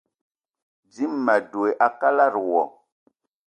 Dím ma dwé a kalada wo